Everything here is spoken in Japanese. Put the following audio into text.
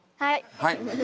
はい。